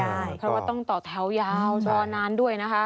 เพราะว่าต้องต่อแถวยาวรอนานด้วยนะคะ